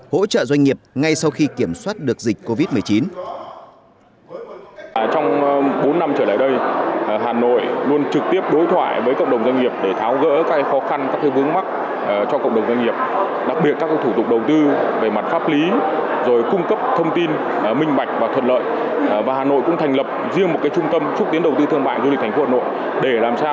hỗ trợ doanh nghiệp ngay sau khi kiểm soát được dịch covid một mươi chín